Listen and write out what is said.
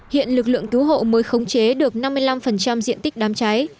hiện lực lượng cứu hộ mới khống chế được năm mươi năm diện tích đám cháy